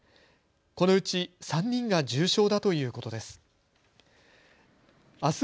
このうち３人が重症だということです。